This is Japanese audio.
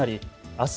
あす